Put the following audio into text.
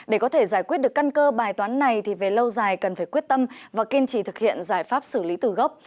để có thể giải quyết được căn cơ bài toán này thì về lâu dài cần phải quyết tâm và kiên trì thực hiện giải pháp xử lý từ gốc